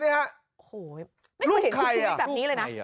นี่คุณเห็นชูพรีมิคแบบนี้เลยนะ